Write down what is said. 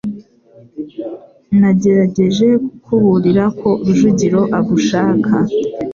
Nagerageje kukuburira ko Rujugiro agushaka.